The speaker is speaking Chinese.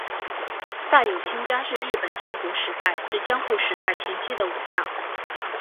大友亲家是日本战国时代至江户时代前期的武将。